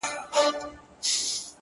• ه یاره دا زه څه اورمه ـ څه وینمه ـ